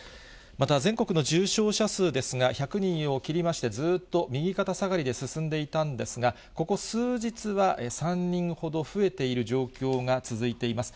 また全国の重症者数ですが、１００人を切りまして、ずっと右肩下がりで進んでいたんですが、ここ数日は３人ほど増えている状況が続いています。